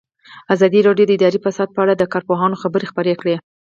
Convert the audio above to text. ازادي راډیو د اداري فساد په اړه د کارپوهانو خبرې خپرې کړي.